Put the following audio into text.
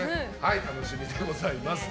楽しみでございます。